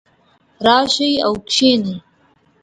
راشئ او کښېنئ